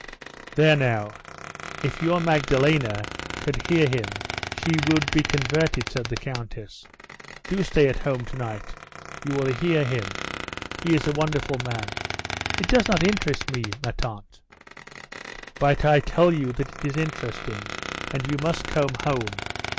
"There now; if your Magdalene could hear him she would be converted," said the Countess. "Do stay at home to night; you will hear him. He is a wonderful man." "It does not interest me, ma tante." "But I tell you that it is interesting, and you must come home.